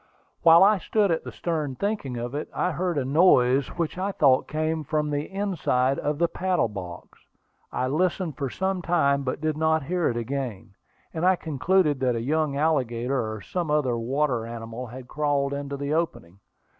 While I stood at the stern thinking of it, I heard a noise which I thought came from the inside of the paddle box. I listened for some time but did not hear it again, and I concluded that a young alligator, or some other water animal, had crawled into the opening.